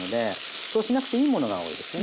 そうしなくていいものが多いですね。